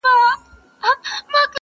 ما په ژوند کي داسي قام نه دی لیدلی٫